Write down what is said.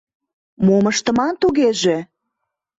Мом ыштыман тугеже?